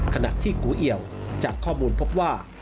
ขณะที่กูเอี่ยวจากข้อมูลพบว่า